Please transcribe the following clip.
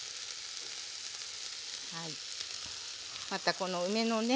またこの梅のね